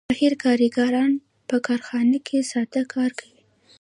غیر ماهر کارګران په کارخانه کې ساده کار کوي